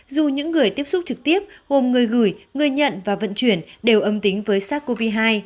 dù những người tiếp xúc trực tiếp gồm người gửi người nhận và vận chuyển đều âm tính với sars cov hai